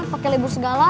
pakai libur segala